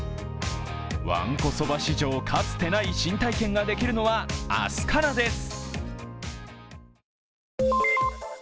わんこそば史上かつてない新体験ができるのは明日からです。